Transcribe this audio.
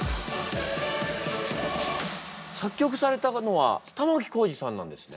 作曲されたのは玉置浩二さんなんですね。